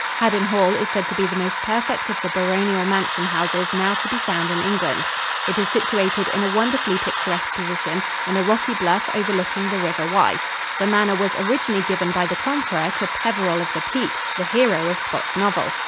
Haddon Hall is said to be the most perfect of the baronial mansion houses now to be found in England. It is situated in a wonderfully picturesque position, on a rocky bluff overlooking the River Wye. The manor was originally given by the Conqueror to Peveril of the Peak, the hero of Scott's novel.